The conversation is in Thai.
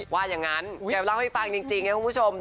ว่าอย่างนั้นแกเล่าให้ฟังจริงนะคุณผู้ชม